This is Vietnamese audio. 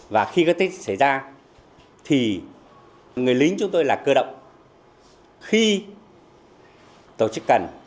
và khi có tích xảy ra thì người lính chúng tôi là cơ động khi tổ chức cần